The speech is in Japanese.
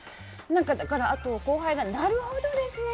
だから、あとは後輩がなるほどですね！